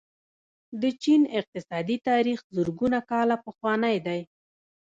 د چین اقتصادي تاریخ زرګونه کاله پخوانی دی.